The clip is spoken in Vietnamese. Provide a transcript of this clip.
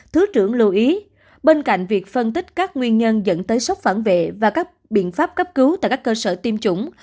thứ trưởng lưu ý bên cạnh việc phân tích các nguyên nhân dẫn tới sốc phản vệ và các biện pháp cấp cứu tại các cơ sở tiêm chủng